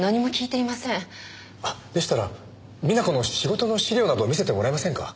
あっでしたら美奈子の仕事の資料など見せてもらえませんか？